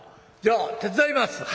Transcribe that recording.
じゃあ手伝います！」。